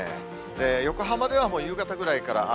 横浜ではもう夕方ぐらいから雨。